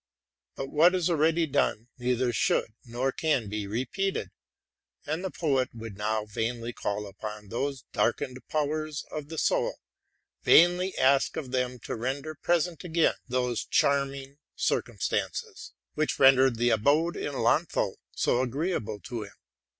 But what is already done neither should nor can be vepeated ; and the poet would vow vainly call upon those darkened powers of the soul, vainly ask of them to render present again those charming circumstances which rendered the period i in Lahnthal so agreeable to him.